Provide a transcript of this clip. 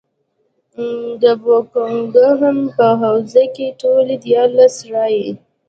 د بوکنګهم په حوزه کې ټولې دیارلس رایې.